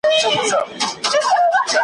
په لښکر کي یې شامل وه ټول قومونه `